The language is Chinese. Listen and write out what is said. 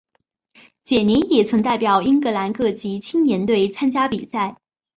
简尼也曾代表英格兰各级青年队参加比赛。